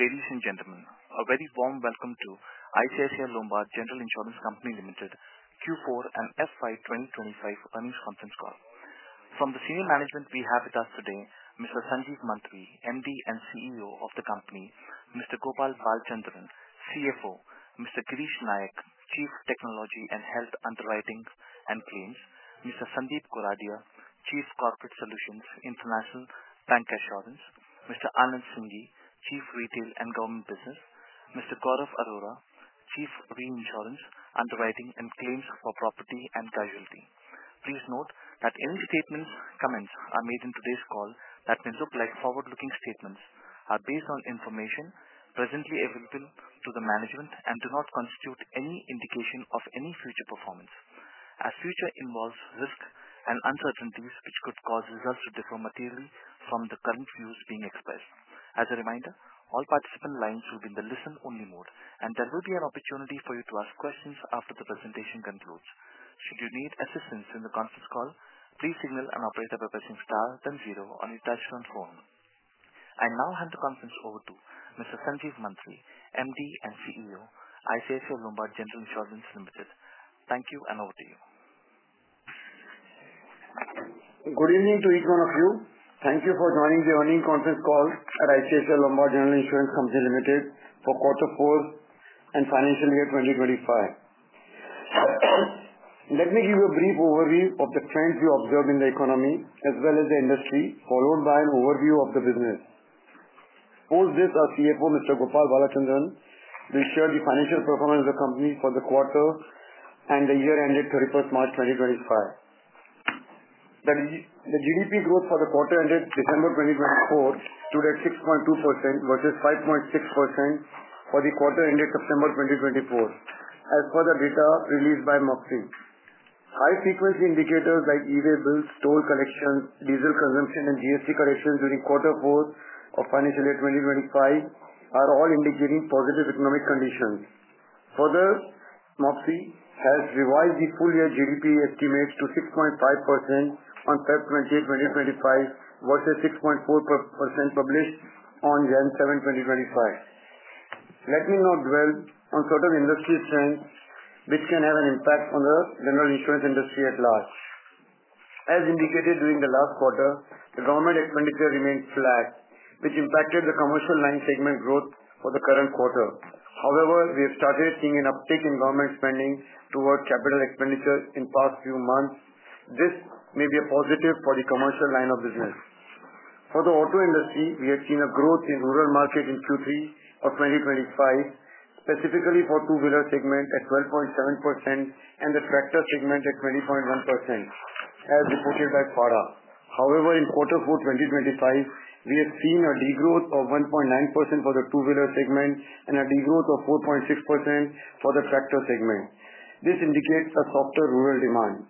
Ladies and gentlemen, a very warm welcome to ICICI Lombard General Insurance Company Limited, Q4 and FY2025 Earnings Conference Call. From the senior management, we have with us today Mr. Sanjeev Mantri, MD and CEO of the company, Mr. Gopal Balachandran, CFO, Mr. Girish Nayak, Chief Technology and Health Underwriting and Claims, Mr. Sandeep Goradia, Chief Corporate Solutions, International Bancassurance, Mr. Anand Singhi, Chief Retail and Government Business, Mr. Gaurav Arora, Chief Reinsurance, Underwriting and Claims for Property and Casualty. Please note that any statements, comments I made in today's call that may look like forward-looking statements are based on information presently available to the management and do not constitute any indication of any future performance, as future involves risk and uncertainties which could cause results to differ materially from the current views being expressed. As a reminder, all participant lines will be in the listen-only mode, and there will be an opportunity for you to ask questions after the presentation concludes. Should you need assistance in the conference call, please signal an operator by pressing star then zero on your touchtone phone. I now hand the conference over to Mr. Sanjeev Mantri, MD and CEO, ICICI Lombard General Insurance Company Limited. Thank you, and over to you. Good evening to each one of you. Thank you for joining the Earnings Conference Call at ICICI Lombard General Insurance Company Limited for Q4 and financial year 2025. Let me give you a brief overview of the trends we observe in the economy as well as the industry, followed by an overview of the business. Post this, our CFO, Mr. Gopal Balachandran, will share the financial performance of the company for the quarter and the year ended 31st March 2025. The GDP growth for the quarter ended December 2024 stood at 6.2% versus 5.6% for the quarter ended September 2024, as per the data released by Moody's. High-frequency indicators like e-way bills, toll collections, diesel consumption, and GST collections during Q4 of financial year 2025 are all indicating positive economic conditions. Further, Moody's has revised the full-year GDP estimates to 6.5% on February 28, 2025, versus 6.4% published on January 7, 2025. Let me now dwell on certain industry trends which can have an impact on the general insurance industry at large. As indicated during the last quarter, the government expenditure remained flat, which impacted the Commercial Line segment growth for the current quarter. However, we have started seeing an uptick in government spending toward capital expenditure in the past few months. This may be a positive for the Commercial Line of business. For the auto industry, we have seen a growth in rural market in Q3 of 2025, specifically for the two-wheeler segment at 12.7% and the tractor segment at 20.1%, as reported by SIAM. However, in Q4 2025, we have seen a degrowth of 1.9% for the two-wheeler segment and a degrowth of 4.6% for the tractor segment. This indicates a softer rural demand.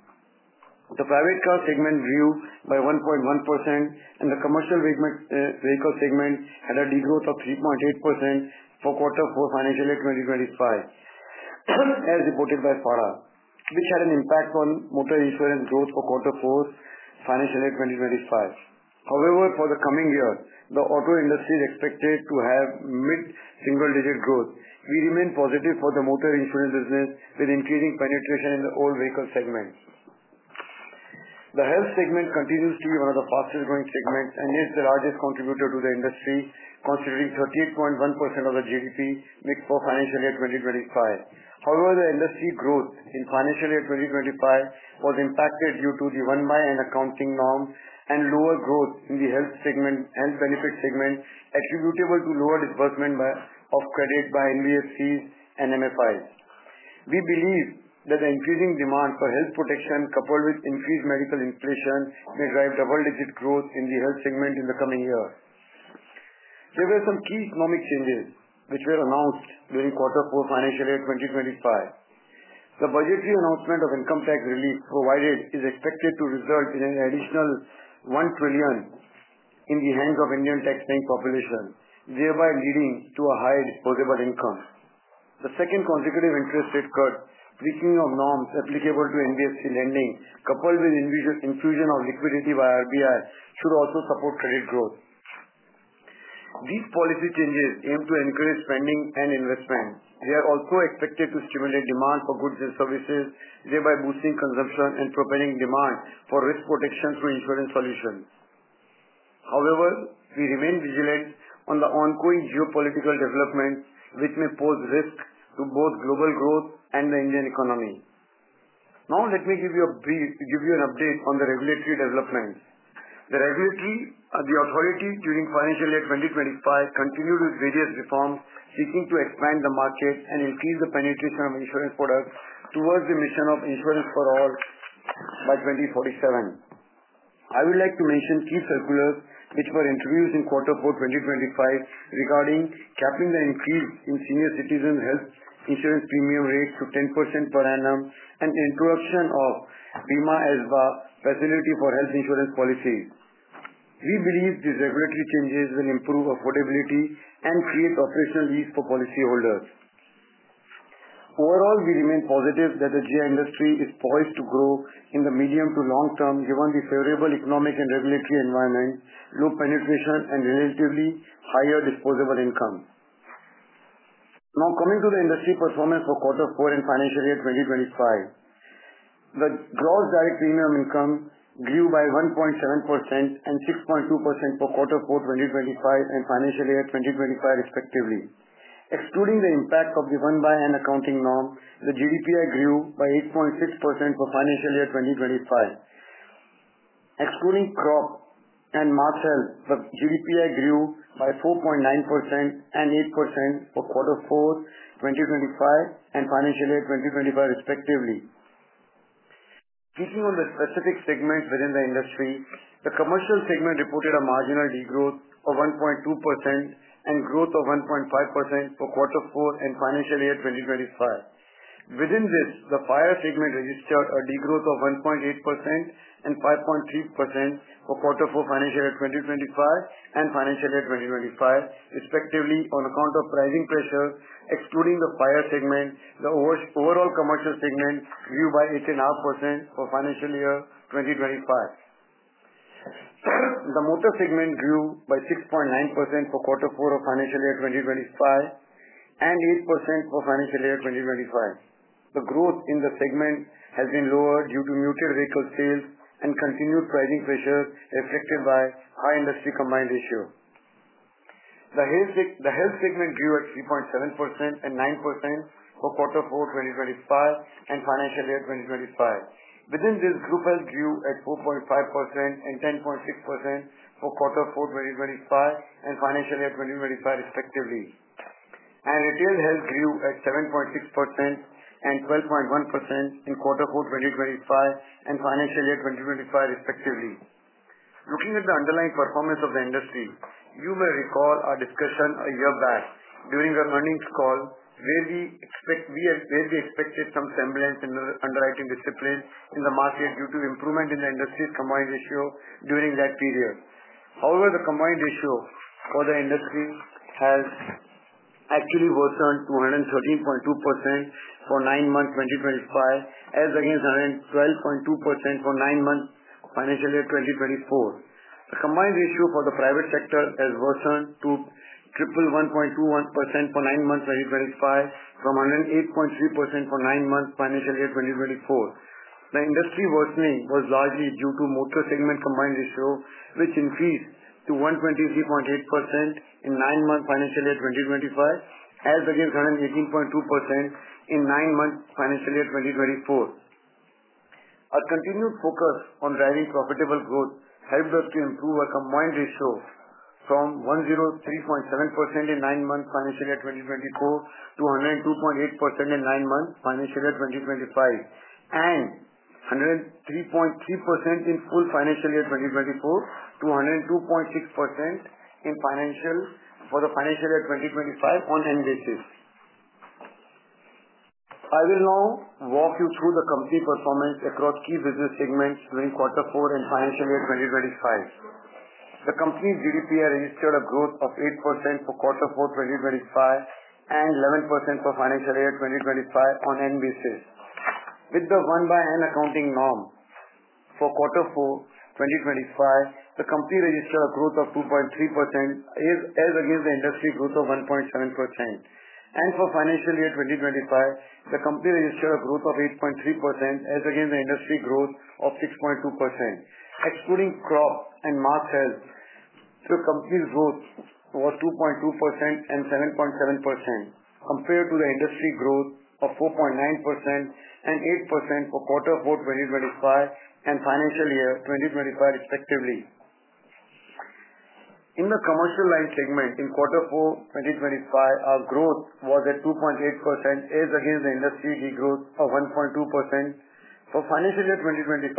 The private car segment grew by 1.1%, and the commercial vehicle segment had a degrowth of 3.8% for Q4 financial year 2025, as reported by SIAM, which had an impact on motor insurance growth for Q4 financial year 2025. However, for the coming year, the auto industry is expected to have mid-single-digit growth. We remain positive for the motor insurance business, with increasing penetration in the all-vehicle segment. The health segment continues to be one of the fastest-growing segments and is the largest contributor to the industry, constituting 38.1% of the GDP for financial year 2025. However, the industry growth in financial year 2025 was impacted due to the 1/365 accounting norm and lower growth in the health segment and benefit segment, attributable to lower disbursement of credit by NEP basis and MFIs. We believe that the increasing demand for health protection, coupled with increased medical inflation, may drive double-digit growth in the health segment in the coming year. There were some key economic changes which were announced during Q4 financial year 2025. The budgetary announcement of income tax relief provided is expected to result in an additional 1 trillion in the hands of Indian taxpaying population, thereby leading to a higher disposable income. The second consecutive interest rate cut, tweaking of norms applicable to Neb basis lending, coupled with infusion of liquidity by RBI, should also support credit growth. These policy changes aim to encourage spending and investment. They are also expected to stimulate demand for goods and services, thereby boosting consumption and propelling demand for risk protection through insurance solutions. However, we remain vigilant on the ongoing geopolitical developments, which may pose risks to both global growth and the Indian economy. Now, let me give you an update on the regulatory developments. The regulatory authority during financial year 2025 continued with various reforms, seeking to expand the market and increase the penetration of insurance products towards the mission of insurance for all by 2047. I would like to mention key circulars which were introduced in Q4 2025 regarding capping the increase in senior citizens' health insurance premium rates to 10% per annum and the introduction of Bima Sugam facility for health insurance policies. We believe these regulatory changes will improve affordability and create operational ease for policyholders. Overall, we remain positive that the GI industry is poised to grow in the medium to long term given the favorable economic and regulatory environment, low penetration, and relatively higher disposable income. Now, coming to the industry performance for Q4 and financial year 2025, the gross direct premium income grew by 1.7% and 6.2% for Q4 2025 and financial year 2025, respectively. Excluding the impact of the 1/365 accounting norm, the GDP grew by 8.6% for financial year 2025. Excluding crop and motor health, the GDP grew by 4.9% and 8% for Q4 2025 and financial year 2025, respectively. Speaking on the specific segments within the industry, the commercial segment reported a marginal degrowth of 1.2% and growth of 1.5% for Q4 and financial year 2025. Within this, the Fire segment registered a degrowth of 1.8% and 5.3% for Q4 financial year 2025 and financial year 2025, respectively, on account of pricing pressure. Excluding the fire segment, the overall commercial segment grew by 8.5% for financial year 2025. The motor segment grew by 6.9% for Q4 of financial year 2025 and 8% for financial year 2025. The growth in the segment has been lower due to muted vehicle sales and continued pricing pressure reflected by high industry combined ratio. The health segment grew at 3.7% and 9% for Q4 2025 and financial year 2025. Within this, group health grew at 4.5% and 10.6% for Q4 2025 and financial year 2025, respectively. Retail health grew at 7.6% and 12.1% in Q4 2025 and financial year 2025, respectively. Looking at the underlying performance of the industry, you may recall our discussion a year back during an earnings call where we expected some semblance in the underwriting discipline in the market due to improvement in the industry's combined ratio during that period. However, the combined ratio for the industry has actually worsened to 113.2% for nine months 2025, as against 112.2% for nine months financial year 2024. The combined ratio for the private sector has worsened to 112.1% for nine months 2025 from 108.3% for nine months financial year 2024. The industry worsening was largely due to motor segment combined ratio, which increased to 123.8% in nine months financial year 2025, as against 118.2% in nine months financial year 2024. Our continued focus on driving profitable growth helped us to improve our combined ratio from 103.7% in nine months financial year 2024 to 102.8% in nine months financial year 2025, and 103.3% in full financial year 2024 to 102.6% for the financial year 2025 on NEP basis. I will now walk you through the company performance across key business segments during Q4 and financial year 2025. The company's GDP registered a growth of 8% for Q4 2025 and 11% for financial year 2025 on NEP basis. With the 1/365 accounting norm for Q4 2025, the company registered a growth of 2.3%, as against the industry growth of 1.7%. For financial year 2025, the company registered a growth of 8.3%, as against the industry growth of 6.2%. Excluding crop and motor, health, the company's growth was 2.2% and 7.7%, compared to the industry growth of 4.9% and 8% for Q4 2025 and financial year 2025, respectively. In the Commercial Line segment in Q4 2025, our growth was at 2.8%, as against the industry degrowth of 1.2%. For financial year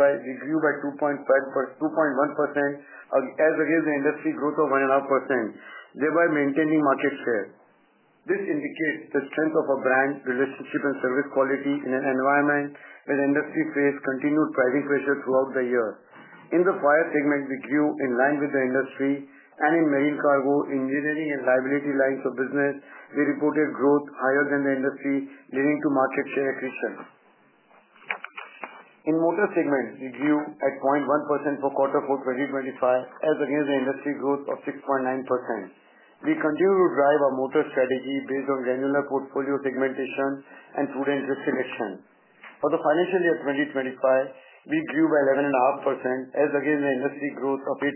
2025, we grew by 2.1%, as against the industry growth of 1.5%, thereby maintaining market share. This indicates the strength of our brand relationship and service quality in an environment where the industry faced continued pricing pressure throughout the year. In the Fire segment, we grew in line with the industry, and in marine cargo, engineering, and liability lines of business, we reported growth higher than the industry, leading to market share accretion. In motor segment, we grew at 0.1% for Q4 2025, as against the industry growth of 6.9%. We continue to drive our motor strategy based on granular portfolio segmentation and prudent risk selection. For the financial year 2025, we grew by 11.5%, as against the industry growth of 8%.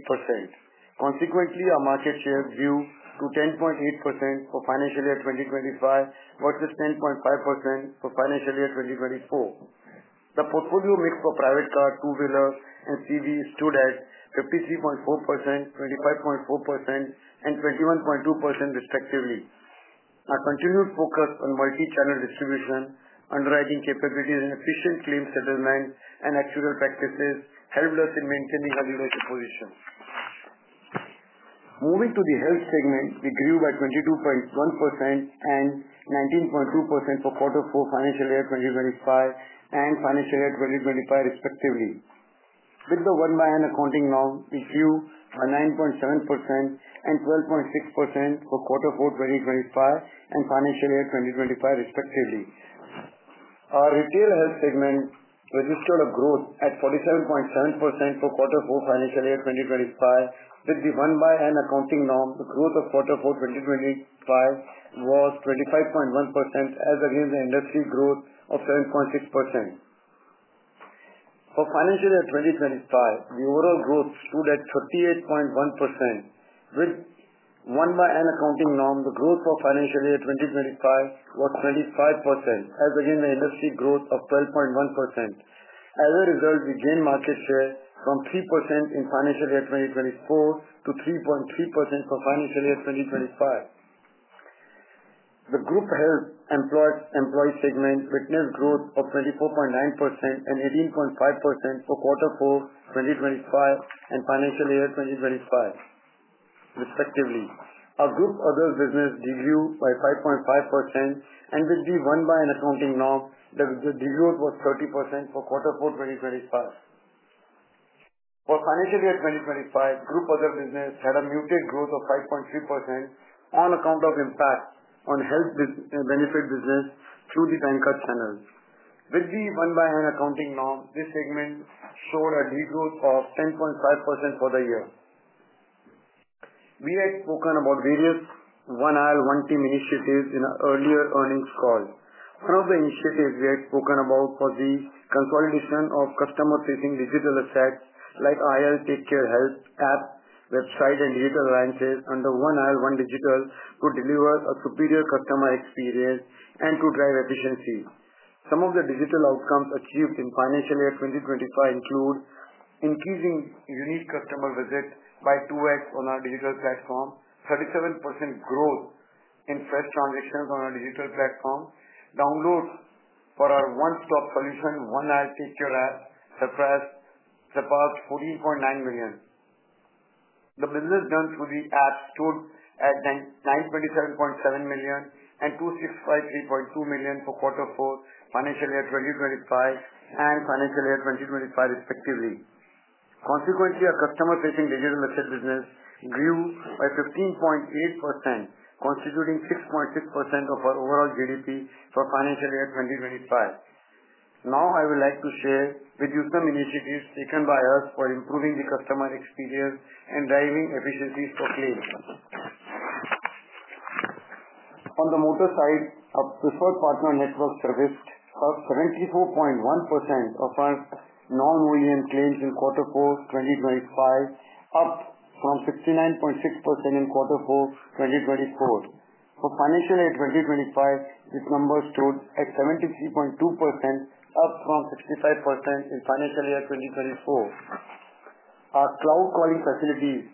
Consequently, our market share grew to 10.8% for financial year 2025, versus 10.5% for financial year 2024. The portfolio mix for private car, two-wheeler, and CV stood at 53.4%, 25.4%, and 21.2%, respectively. Our continued focus on multi-channel distribution, underwriting capabilities, and efficient claim settlement and actuarial practices helped us in maintaining our leadership position. Moving to the health segment, we grew by 22.1% and 19.2% for Q4 financial year 2025 and financial year 2025, respectively. With the 1/365 accounting norm, we grew by 9.7% and 12.6% for Q4 2025 and financial year 2025, respectively. Our retail health segment registered a growth at 47.7% for Q4 financial year 2025. With the 1/365 accounting norm, the growth of Q4 2025 was 25.1%, as against the industry growth of 7.6%. For financial year 2025, the overall growth stood at 38.1%. With 1/365 accounting norm, the growth for financial year 2025 was 25%, as against the industry growth of 12.1%. As a result, we gained market share from 3% in financial year 2024 to 3.3% for financial year 2025. The group health employee segment witnessed growth of 24.9% and 18.5% for Q4 2025 and financial year 2025, respectively. Our group other businesses degrew by 5.5%, and with the 1/365 accounting norm, the degrowth was 30% for Q4 2025. For financial year 2025, group other businesses had a muted growth of 5.3% on account of impact on health benefit business through the bank channels. With the 1/365 accounting norm, this segment showed a degrowth of 10.5% for the year. We had spoken about various One IL, One Team initiatives in an earlier earnings call. One of the initiatives we had spoken about was the consolidation of customer-facing digital assets like IL TakeCare Health app, website, and digital alliances under One IL, One Digital to deliver a superior customer experience and to drive efficiency. Some of the digital outcomes achieved in financial year 2025 include increasing unique customer visits by 2X on our digital platform, 37% growth in fresh transactions on our digital platform, downloads for our one-stop solution, IL TakeCare Health app, surpassed 14.9 million. The business done through the app stood at 927.7 million and 2,653.2 million for Q4 financial year 2025 and financial year 2025, respectively. Consequently, our customer-facing digital asset business grew by 15.8%, constituting 6.6% of our overall GDP for financial year 2025. Now, I would like to share with you some initiatives taken by us for improving the customer experience and driving efficiencies for claims. On the motor side, our preferred partner network serviced 74.1% of our non-moving claims in Q4 2025, up from 69.6% in Q4 2024. For financial year 2025, this number stood at 73.2%, up from 65% in financial year 2024. Our cloud calling facilities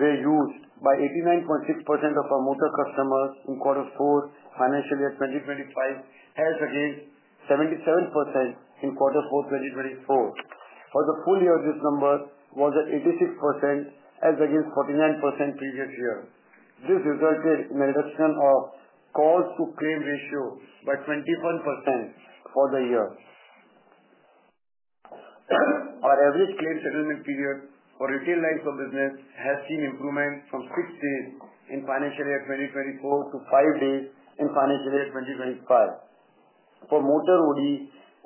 were used by 89.6% of our motor customers in Q4 financial year 2025, as against 77% in Q4 2024. For the full year, this number was at 86%, as against 49% previous year. This resulted in a reduction of calls-to-claim ratio by 21% for the year. Our average claim settlement period for retail lines of business has seen improvement from 6 days in financial year 2024 to 5 days in financial year 2025 for motor OD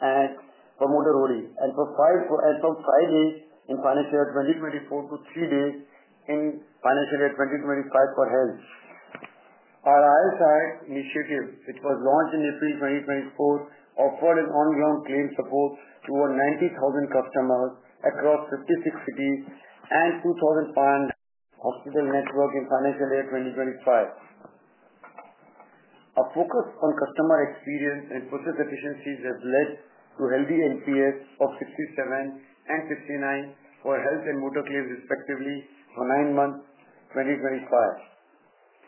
and for 5 days in financial year 2024 to 3 days in financial year 2025 for health. Our IL SAC initiative, which was launched in April 2024, offered ongoing claim support to over 90,000 customers across 56 cities and 2,500 hospital networks in financial year 2025. Our focus on customer experience and process efficiencies has led to healthy NPS of 67 and 69 for health and motor claims, respectively, for nine months 2025.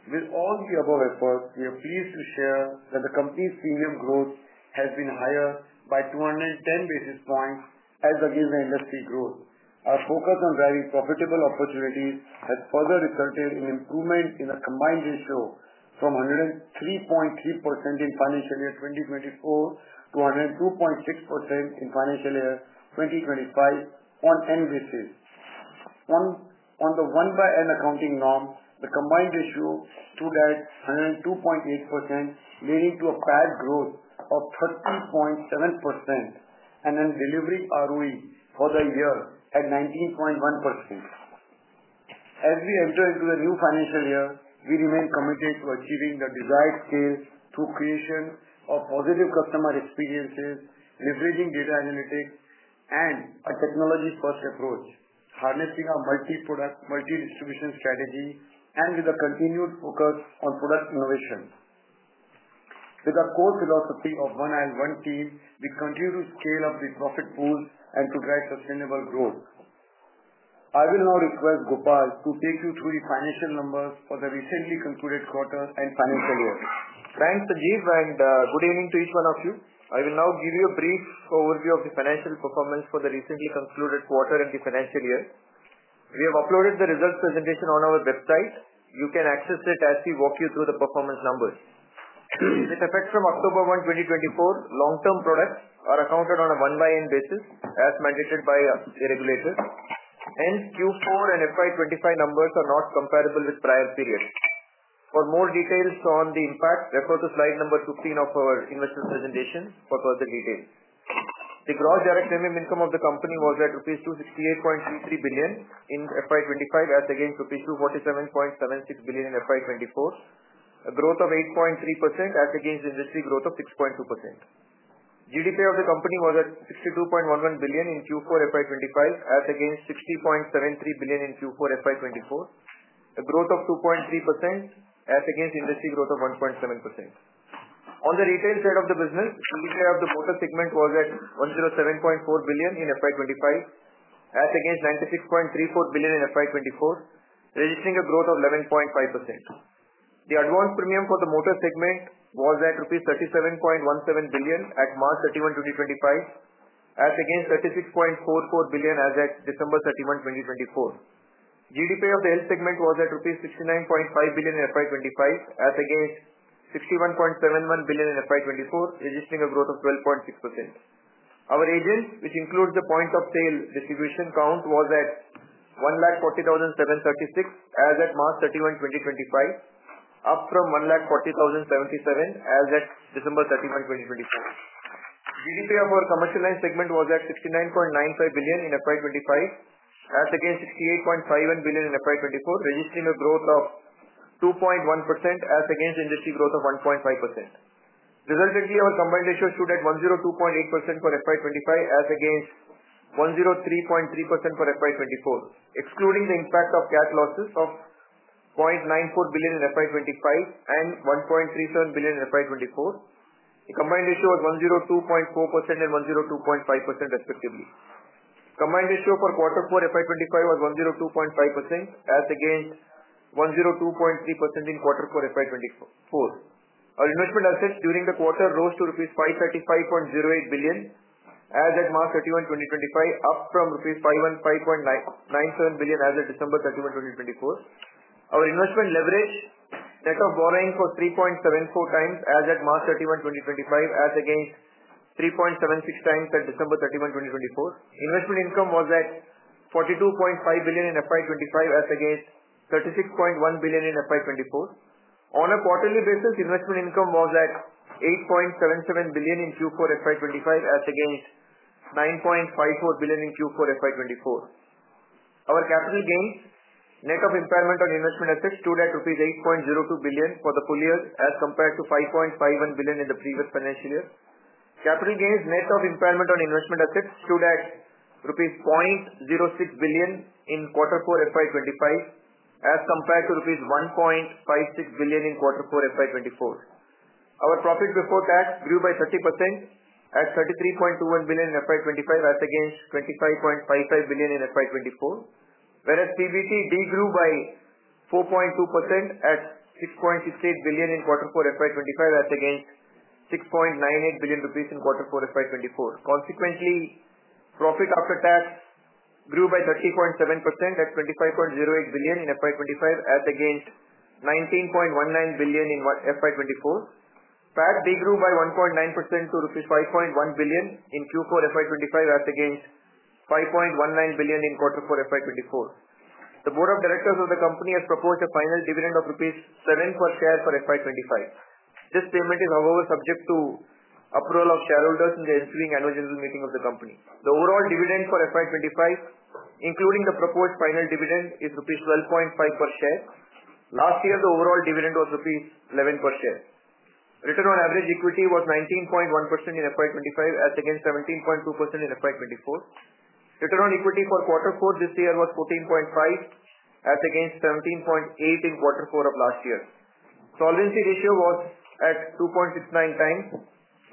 With all the above efforts, we are pleased to share that the company's premium growth has been higher by 210 basis points, as against the industry growth. Our focus on driving profitable opportunities has further resulted in improvement in the combined ratio from 103.3% in financial year 2024 to 102.6% in financial year 2025 on NEP basis. On the 1/365 accounting norm, the combined ratio stood at 102.8%, leading to a PAT growth of 30.7%, and then delivering ROE for the year at 19.1%. As we enter into the new financial year, we remain committed to achieving the desired scale through creation of positive customer experiences, leveraging data analytics and a technology-first approach, harnessing our multi-product, multi-distribution strategy, and with a continued focus on product innovation. With our core philosophy of one-IL, one team, we continue to scale up the profit pool and to drive sustainable growth. I will now request Gopal to take you through the financial numbers for the recently concluded quarter and financial year. Thanks, Sanjeev, and good evening to each one of you. I will now give you a brief overview of the financial performance for the recently concluded quarter and the financial year. We have uploaded the results presentation on our website. You can access it as we walk you through the performance numbers. With effect from October 1, 2024, long-term products are accounted on a 1/365 basis, as mandated by the regulator. Hence, Q4 and FY2025 numbers are not comparable with prior periods. For more details on the impact, refer to slide number 15 of our investment presentation for further details. The gross direct premium income of the company was at rupees 268.33 billion in FY2025, as against rupees 247.76 billion in FY2024, a growth of 8.3%, as against the industry growth of 6.2%. GDP of the company was at 62.11 billion in Q4 FY2025, as against 60.73 billion in Q4 FY2024, a growth of 2.3%, as against industry growth of 1.7%. On the retail side of the business, GDP of the motor segment was at 107.4 billion in FY2025, as against 96.34 billion in FY2024, registering a growth of 11.5%. The advance premium for the motor segment was at INR 37.17 billion at March 31, 2025, as against INR 36.44 billion as at December 31, 2024. GDP of the health segment was at rupees 69.5 billion in FY2025, as against 61.71 billion in FY2024, registering a growth of 12.6%. Our agent, which includes the point-of-sale distribution count, was at 140,736 as at March 31, 2025, up from 140,077 as at December 31, 2024. GDP of our Commercial Line segment was at 69.95 billion in FY2025, as against 68.51 billion in FY2024, registering a growth of 2.1%, as against industry growth of 1.5%. Resultingly, our combined ratio stood at 102.8% for FY2025, as against 103.3% for FY2024, excluding the impact of cash losses of 0.94 billion in FY2025 and 1.37 billion in FY2024. The combined ratio was 102.4% and 102.5%, respectively. Combined ratio for Q4 FY2025 was 102.5%, as against 102.3% in Q4 FY2024. Our investment assets during the quarter rose to rupees 535.08 billion, as at March 31, 2025, up from rupees 515.97 billion as at December 31, 2024. Our investment leverage net of borrowing was 3.74 times, as at March 31, 2025, as against 3.76 times at December 31, 2024. Investment income was at 42.5 billion in FY2025, as against 36.1 billion in FY2024. On a quarterly basis, investment income was at 8.77 billion in Q4 FY2025, as against 9.54 billion in Q4 FY2024. Our capital gains, net of impairment on investment assets, stood at rupees 8.02 billion for the full year, as compared to 5.51 billion in the previous financial year. Capital gains, net of impairment on investment assets, stood at rupees 0.06 billion in Q4 FY2025, as compared to rupees 1.56 billion in Q4 FY2024. Our profit before tax grew by 30% at 33.21 billion in FY2025, as against 25.55 billion in FY2024, whereas PBT degrew by 4.2% at 6.68 billion in Q4 FY2025, as against 6.98 billion rupees in Q4 FY2024. Consequently, profit after tax grew by 30.7% at 25.08 billion in FY2025, as against 19.19 billion in FY2024. PAT degrew by 1.9% to rupees 5.1 billion in Q4 FY2025, as against 5.19 billion in Q4 FY2024. The Board of Directors of the company has proposed a final dividend of rupees 7 per share for FY2025. This payment is, however, subject to approval of shareholders in the ensuing annual general meeting of the company. The overall dividend for FY2025, including the proposed final dividend, is rupees 12.5 per share. Last year, the overall dividend was rupees 11 per share. Return on average equity was 19.1% in FY2025, as against 17.2% in FY2024. Return on equity for Q4 this year was 14.5%, as against 17.8% in Q4 of last year. Solvency ratio was at 2.69 times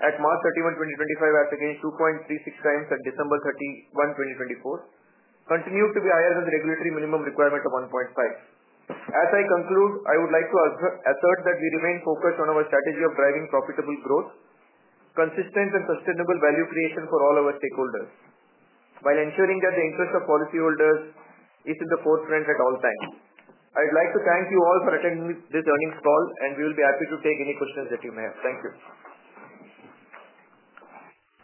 at March 31, 2025, as against 2.36 times at December 31, 2024. Continued to be higher than the regulatory minimum requirement of 1.5. As I conclude, I would like to assert that we remain focused on our strategy of driving profitable growth, consistent and sustainable value creation for all our stakeholders, while ensuring that the interest of policyholders is in the forefront at all times. I'd like to thank you all for attending this earnings call, and we will be happy to take any questions that you may have. Thank you.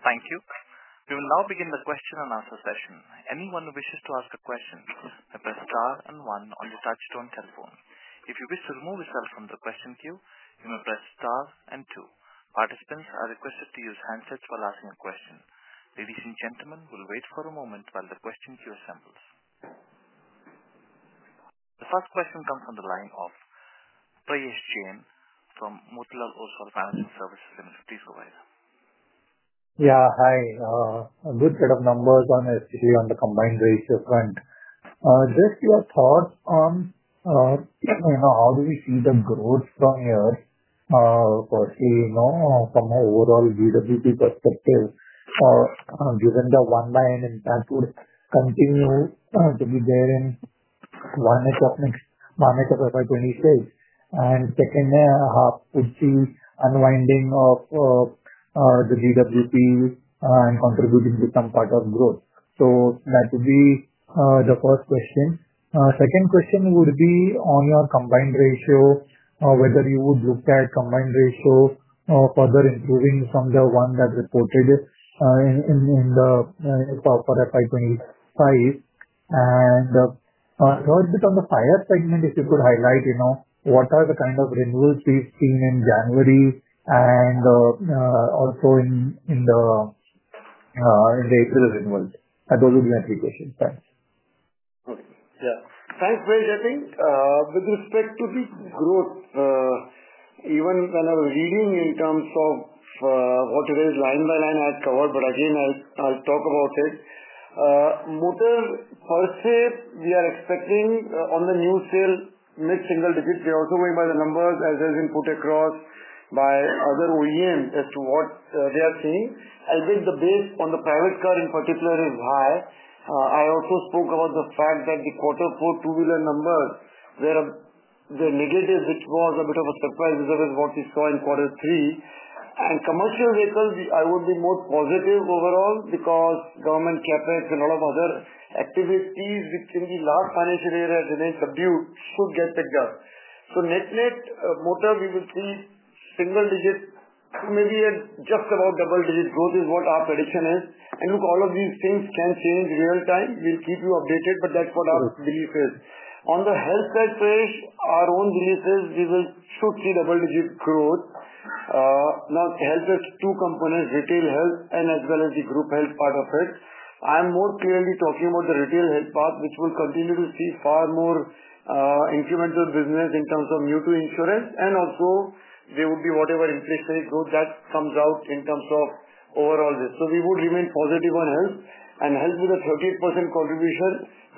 Thank you. We will now begin the question and answer session. Anyone who wishes to ask a question may press star and one on the touchtone telephone. If you wish to remove yourself from the question queue, you may press star and two. Participants are requested to use handsets while asking a question. Ladies and gentlemen, we'll wait for a moment while the question queue assembles. The first question comes from the line of Prayesh Jain from Motilal Oswal Financial Services Limited. Please go ahead. Yeah, hi. A good set of numbers on, especially on the combined ratio front. Just your thoughts on how do we see the growth from here, firstly, from an overall GWP perspective, given the 1/365 impact would continue to be there in one-half of FY2026. Second half would be unwinding of the GWP and contributing to some part of growth. That would be the first question. Second question would be on your combined ratio, whether you would look at combined ratio further improving from the one that reported in the for FY2025. A little bit on the Fire segment, if you could highlight what are the kind of renewals we've seen in January and also in the April renewals. Those would be my three questions. Thanks. Okay. Yeah. Thanks, Prayesh. I think with respect to the growth, even when I was reading in terms of what it is, line by line, I had covered, but again, I'll talk about it. Motor, per se, we are expecting on the new sale, mid-single digits. We are also going by the numbers as has been put across by other OEMs as to what they are seeing. I think the base on the private car in particular is high. I also spoke about the fact that the Q4 two-wheeler numbers were negative, which was a bit of a surprise vis-à-vis what we saw in Q3. Commercial vehicles, I would be more positive overall because government CapEx and a lot of other activities, which in the last financial year had remained subdued, should get picked up. Net-net, motor, we will see single-digit to maybe just about double-digit growth is what our prediction is. Look, all of these things can change real time. We'll keep you updated, but that's what our belief is. On the health side, Prayesh, our own belief is we should see double-digit growth. Now, health has two components: retail health and as well as the group health part of it. I'm more clearly talking about the retail health part, which will continue to see far more incremental business in terms of new-to insurance. Also, there would be whatever inflationary growth that comes out in terms of overall this. We would remain positive on health. Health, with a 38% contribution,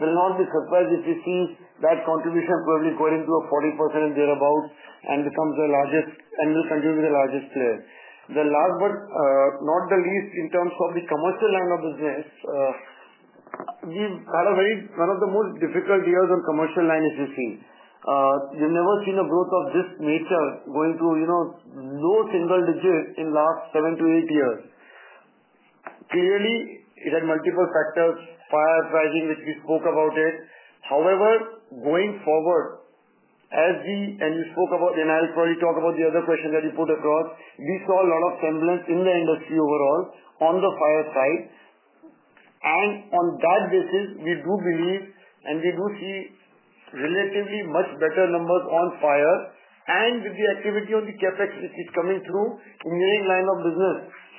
will not be surprised if we see that contribution probably growing to a 40% and thereabouts and becomes the largest and will continue to be the largest player. The last but not the least, in terms of the Commercial Line of business, we've had one of the most difficult years on Commercial Line, as you see. We've never seen a growth of this nature going to no single digit in the last seven to eight years. Clearly, it had multiple factors: Fire pricing, which we spoke about. However, going forward, as we—you spoke about, and I'll probably talk about the other question that you put across—we saw a lot of semblance in the industry overall on the Fire side. On that basis, we do believe and we do see relatively much better numbers on Fire. With the activity on the CapEx, which is coming through, the engineering line of business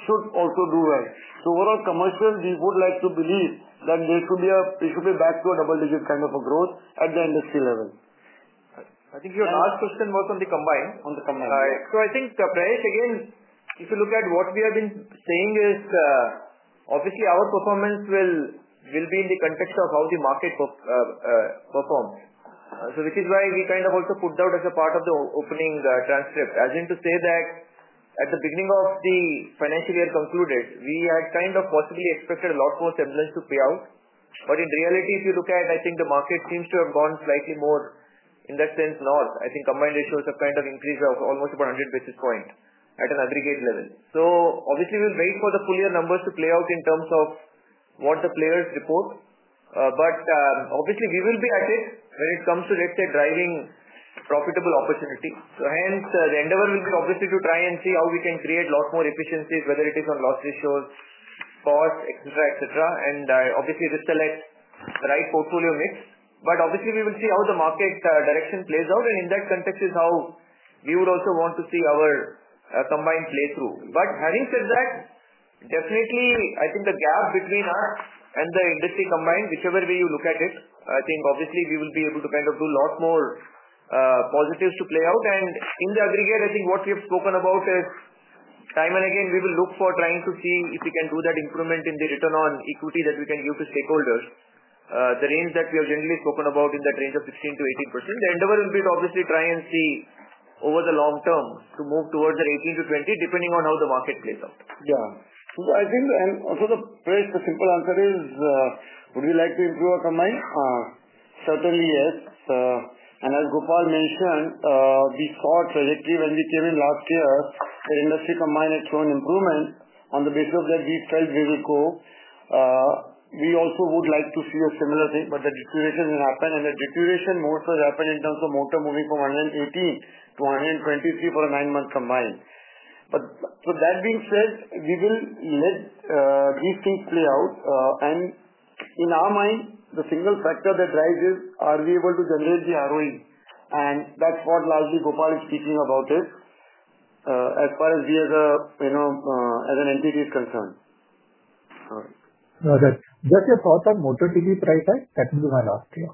should also do well. Overall, commercial, we would like to believe that there should be a—we should be back to a double-digit kind of a growth at the industry level. I think your last question was on the combined. I think, Prayesh, again, if you look at what we have been saying, obviously, our performance will be in the context of how the market performs. Which is why we kind of also put that as a part of the opening transcript, as in to say that at the beginning of the financial year concluded, we had kind of possibly expected a lot more semblance to pay out. In reality, if you look at it, I think the market seems to have gone slightly more in that sense north. I think combined ratios have kind of increased almost about 100 basis points at an aggregate level. Obviously, we'll wait for the full year numbers to play out in terms of what the players report. Obviously, we will be at it when it comes to, let's say, driving profitable opportunity. Hence, the endeavor will be obviously to try and see how we can create a lot more efficiencies, whether it is on loss ratios, cost, etc., etc. Obviously, we'll select the right portfolio mix. Obviously, we will see how the market direction plays out. In that context is how we would also want to see our combined playthrough. Having said that, definitely, I think the gap between us and the industry combined, whichever way you look at it, I think obviously we will be able to kind of do a lot more positives to play out. In the aggregate, I think what we have spoken about is time and again, we will look for trying to see if we can do that improvement in the return on equity that we can give to stakeholders, the range that we have generally spoken about in that range of 16-18%. The endeavor will be to obviously try and see over the long term to move towards the 18-20%, depending on how the market plays out. Yeah. I think, and also the simple answer is, would we like to improve our combined? Certainly, yes. As Gopal mentioned, we saw a trajectory when we came in last year where industry combined had shown improvement. On the basis of that, we felt we will go. We also would like to see a similar thing, but that deterioration did not happen. That deterioration most has happened in terms of motor moving from 118 to 123 for a nine-month combined. That being said, we will let these things play out. In our mind, the single factor that drives is, are we able to generate the ROE? That is what largely Gopal is speaking about as far as we as an entity is concerned. Okay. Just your thoughts on motor TP price? That will be my last here.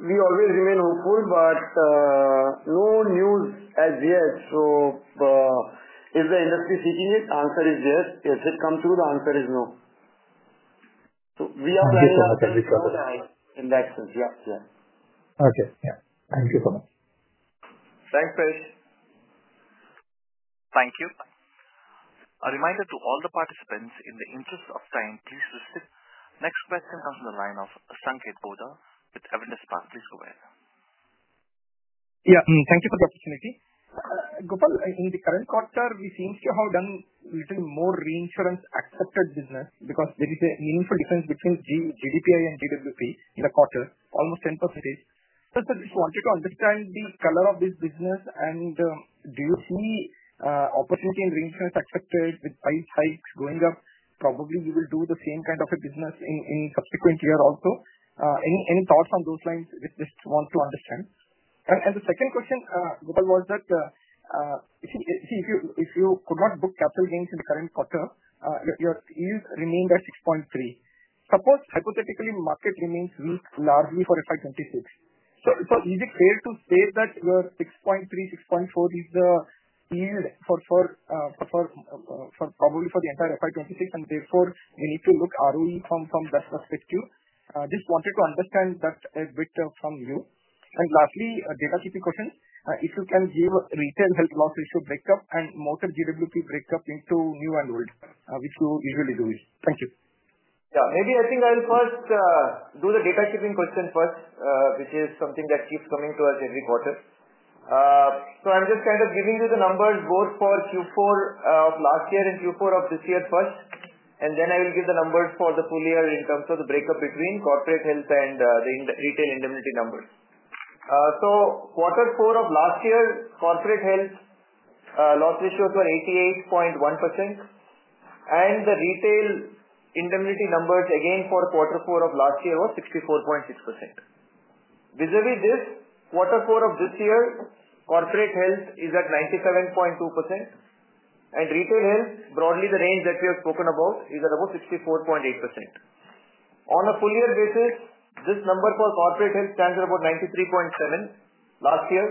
We always remain hopeful, but no news as yet. Is the industry seeking it? The answer is yes. If it comes through, the answer is no. We are planning on coming out in that sense. Yeah. Okay. Yeah. Thank you so much. Thanks, Prayesh. Thank you. A reminder to all the participants, in the interest of time, please rest. Next question comes from the line of Sanketh Godha with Avendus Spark. Please go ahead. Yeah. Thank you for the opportunity. Gopal, in the current quarter, we seem to have done a little more reinsurance-accepted business because there is a meaningful difference between GDP and GWP in the quarter, almost 10%. Just wanted to understand the color of this business. Do you see opportunity in reinsurance-accepted with price hikes going up? Probably you will do the same kind of a business in subsequent year also. Any thoughts on those lines? Just want to understand. The second question, Gopal, was that if you could not book capital gains in the current quarter, your yield remained at 6.3. Suppose hypothetically market remains weak largely for FY2026. Is it fair to say that your 6.3, 6.4 is the yield probably for the entire FY2026, and therefore we need to look at ROE from that perspective? Just wanted to understand that a bit from you. Lastly, data keeping question. If you can give retail health loss ratio breakup and motor GWP breakup into new and old, which you usually do. Thank you. Yeah. Maybe I think I'll first do the data keeping question first, which is something that keeps coming to us every quarter. I'm just kind of giving you the numbers both for Q4 of last year and Q4 of this year first. I will give the numbers for the full year in terms of the breakup between corporate health and the retail indemnity numbers. Q4 of last year, corporate health loss ratios were 88.1%. The retail indemnity numbers, again, for Q4 of last year was 64.6%. Vis-à-vis this, Q4 of this year, corporate health is at 97.2%. Retail health, broadly the range that we have spoken about, is at about 64.8%. On a full year basis, this number for corporate health stands at about 93.7 last year.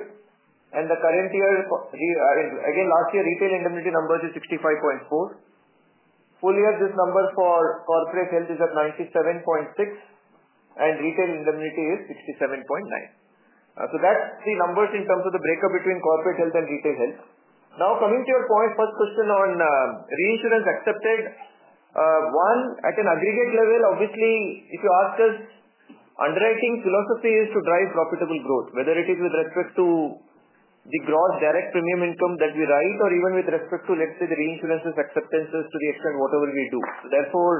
The current year, again, last year retail indemnity numbers is 65.4. Full year, this number for corporate health is at 97.6. Retail indemnity is 67.9. That's the numbers in terms of the breakup between corporate health and retail health. Now, coming to your first question on reinsurance-accepted, one, at an aggregate level, obviously, if you ask us, underwriting philosophy is to drive profitable growth, whether it is with respect to the gross direct premium income that we write or even with respect to, let's say, the reinsurance acceptances to the extent whatever we do. Therefore,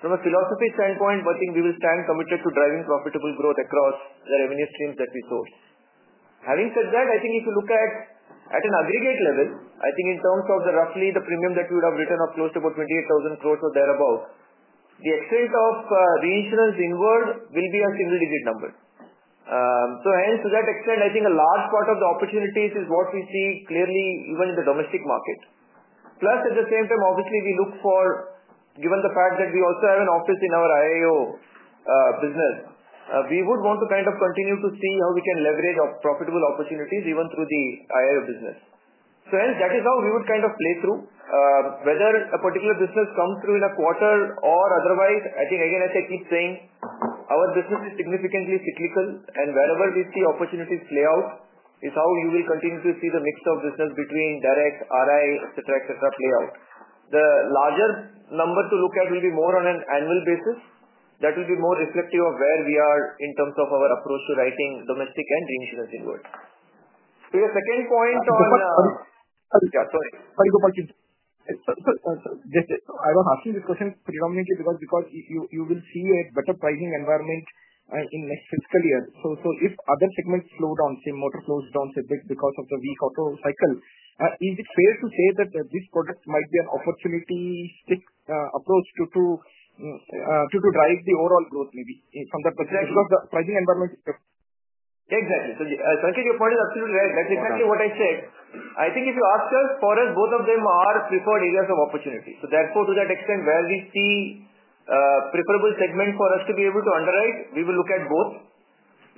from a philosophy standpoint, I think we will stand committed to driving profitable growth across the revenue streams that we source. Having said that, I think if you look at an aggregate level, I think in terms of roughly the premium that we would have written of close to about 28,000 crore or thereabouts, the extent of reinsurance inward will be a single-digit number. Hence, to that extent, I think a large part of the opportunities is what we see clearly even in the domestic market. Plus, at the same time, obviously, we look for, given the fact that we also have an office in our IIO business, we would want to kind of continue to see how we can leverage profitable opportunities even through the IIO business. Hence, that is how we would kind of play through. Whether a particular business comes through in a quarter or otherwise, I think, again, as I keep saying, our business is significantly cyclical. Wherever we see opportunities play out is how you will continue to see the mix of business between direct, RI, etc., etc., play out. The larger number to look at will be more on an annual basis. That will be more reflective of where we are in terms of our approach to writing domestic and reinsurance inward. To your second point on, yeah, sorry. Sorry, Gopal. I was asking this question predominantly because you will see a better pricing environment in next fiscal year. If other segments slow down, say, motor slows down, because of the weak auto cycle, is it fair to say that this product might be an opportunistic approach to drive the overall growth maybe from that perspective because the pricing environment? Exactly. Sanketh, your point is absolutely right. That's exactly what I said. I think if you ask us, for us, both of them are preferred areas of opportunity. Therefore, to that extent, where we see a preferable segment for us to be able to underwrite, we will look at both.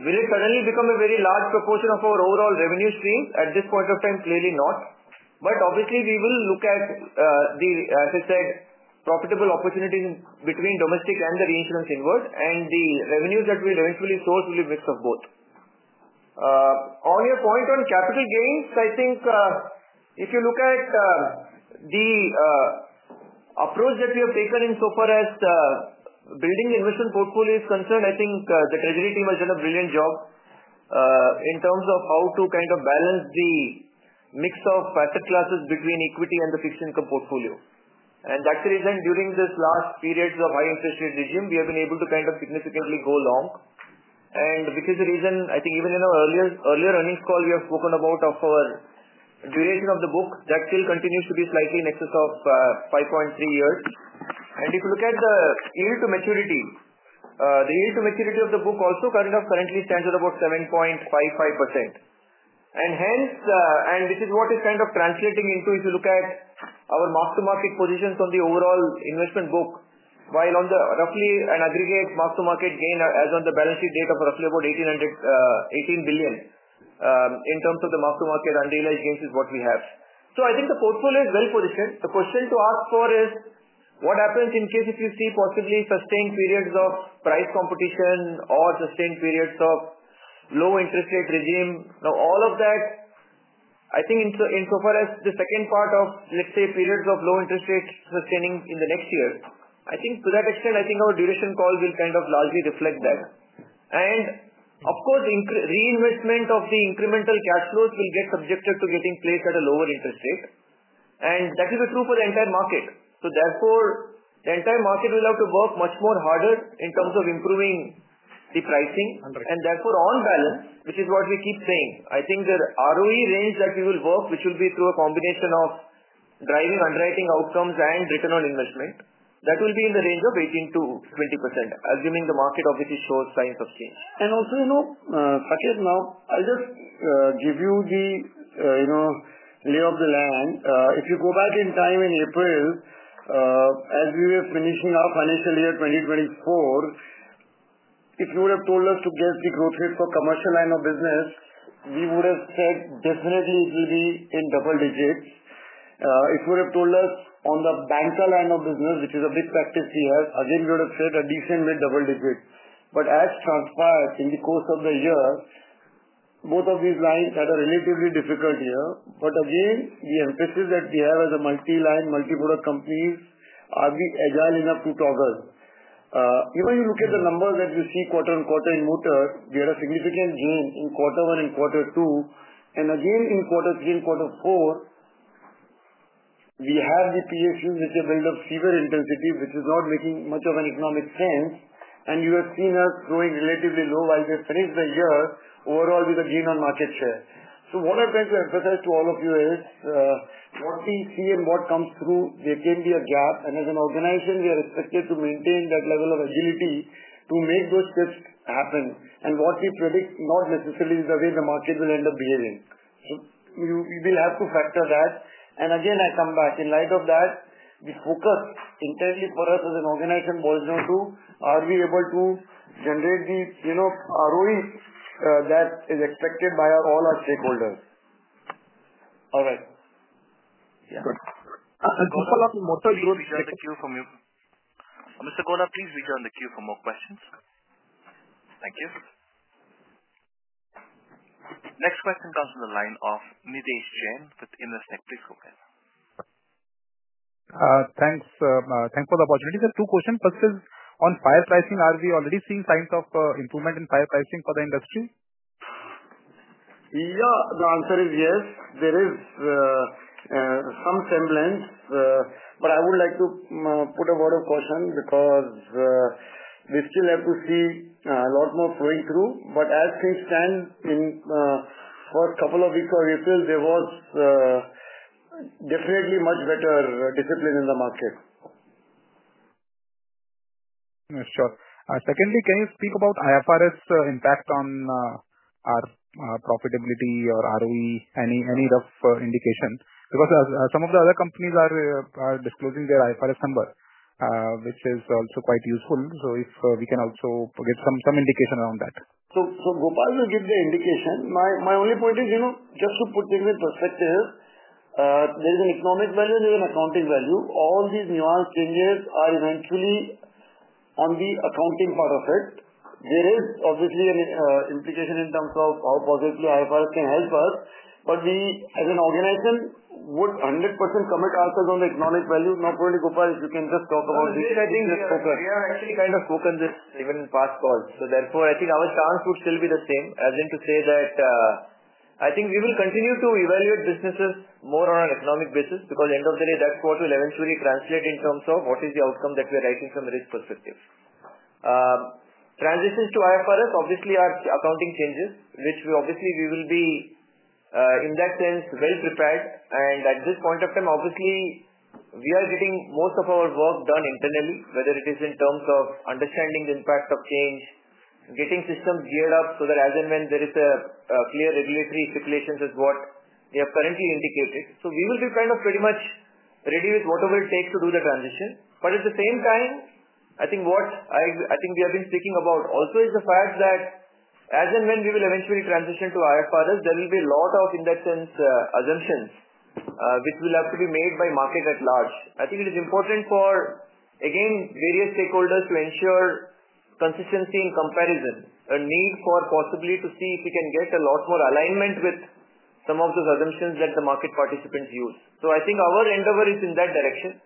Will it suddenly become a very large proportion of our overall revenue stream? At this point of time, clearly not. Obviously, we will look at the, as I said, profitable opportunities between domestic and the reinsurance inward. The revenues that we will eventually source will be a mix of both. On your point on capital gains, I think if you look at the approach that we have taken in so far as building the investment portfolio is concerned, I think the treasury team has done a brilliant job in terms of how to kind of balance the mix of asset classes between equity and the fixed income portfolio. That is the reason during this last period of high interest rate regime, we have been able to kind of significantly go long. Which is the reason, I think, even in our earlier earnings call, we have spoken about our duration of the book, that still continues to be slightly in excess of 5.3 years. If you look at the yield to maturity, the yield to maturity of the book also kind of currently stands at about 7.55%. Hence, and this is what is kind of translating into if you look at our mark-to-market positions on the overall investment book, while on the roughly an aggregate mark-to-market gain as on the balance sheet date of roughly about 18 billion in terms of the mark-to-market underutilized gains is what we have. I think the portfolio is well positioned. The question to ask for is, what happens in case if you see possibly sustained periods of price competition or sustained periods of low interest rate regime? Now, all of that, I think in so far as the second part of, let's say, periods of low interest rate sustaining in the next year, I think to that extent, I think our duration call will kind of largely reflect that. Of course, reinvestment of the incremental cash flows will get subjected to getting placed at a lower interest rate. That will be true for the entire market. Therefore, the entire market will have to work much more harder in terms of improving the pricing. Therefore, on balance, which is what we keep saying, I think the ROE range that we will work, which will be through a combination of driving underwriting outcomes and return on investment, that will be in the range of 18-20%, assuming the market obviously shows signs of change. Sanketh, now I'll just give you the lay of the land. If you go back in time in April, as we were finishing our financial year 2024, if you would have told us to guess the growth rate for Commercial Line of business, we would have said definitely it will be in double digits. If you would have told us on the Banca line of business, which is a big practice we have, again, we would have said a decent mid double digit. As transpired in the course of the year, both of these lines had a relatively difficult year. Again, the emphasis that we have as a multi-line, multi-product companies are we agile enough to toggle? Even when you look at the numbers that you see quarter on quarter in motor, we had a significant gain in quarter one and quarter two. Again, in quarter three and quarter four, we have the PSUs, which have built up fever intensity, which is not making much of an economic sense. You have seen us growing relatively low while we have finished the year overall with a gain on market share. What I am trying to emphasize to all of you is what we see and what comes through, there can be a gap. As an organization, we are expected to maintain that level of agility to make those shifts happen. What we predict not necessarily is the way the market will end up behaving. We will have to factor that. I come back. In light of that, the focus internally for us as an organization boils down to, are we able to generate the ROE that is expected by all our stakeholders? All right. Good. Gopal, on the motor growth, we'll take the cue from you. Mr. Gopal, please return the cue for more questions. Thank you. Next question comes from the line of Nidhesh Jain with Investec. Please go ahead. Thanks for the opportunity. There are two questions. First is on Fire pricing, are we already seeing signs of improvement in Fire pricing for the industry? Yeah. The answer is yes. There is some semblance. I would like to put a word of caution because we still have to see a lot more flowing through. As things stand, in the first couple of weeks of April, there was definitely much better discipline in the market. Sure. Secondly, can you speak about IFRS impact on our profitability or ROE, any rough indication? Because some of the other companies are disclosing their IFRS number, which is also quite useful. If we can also get some indication around that. Gopal will give the indication. My only point is, just to put things in perspective, there is an economic value and there is an accounting value. All these nuanced changes are eventually on the accounting part of it. There is obviously an implication in terms of how positively IFRS can help us. We, as an organization, would 100% commit ourselves on the economic value. Not only Gopal, if you can just talk about this. I think we have actually kind of spoken this even in past calls. Therefore, I think our stance would still be the same, as in to say that I think we will continue to evaluate businesses more on an economic basis because end of the day, that's what will eventually translate in terms of what is the outcome that we are writing from a risk perspective. Transitions to IFRS obviously are accounting changes, which we obviously will be in that sense well prepared. At this point of time, obviously, we are getting most of our work done internally, whether it is in terms of understanding the impact of change, getting systems geared up so that as and when there is a clear regulatory stipulation is what we have currently indicated. We will be kind of pretty much ready with whatever it takes to do the transition. At the same time, I think what I think we have been speaking about also is the fact that as and when we will eventually transition to IFRS, there will be a lot of, in that sense, assumptions which will have to be made by market at large. I think it is important for, again, various stakeholders to ensure consistency in comparison, a need for possibly to see if we can get a lot more alignment with some of those assumptions that the market participants use. I think our endeavor is in that direction,